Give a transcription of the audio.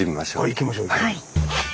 行きましょう。